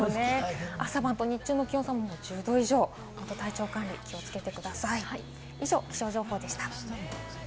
朝晩と日中の気温差が１０度以上、体調管理に気をつけてください、以上、気象情報でした。